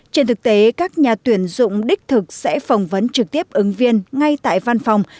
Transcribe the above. trên thực tế các nhà tuyển dụng đích thực sẽ phỏng vấn trực tiếp ứng viên ngay tại văn phòng